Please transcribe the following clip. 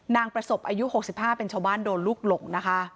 นางประสบอายุหกสิบห้าเป็นชาวบ้านโดนลูกหลงนะคะ